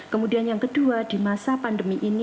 kemudian yang kedua di masa pandemi ini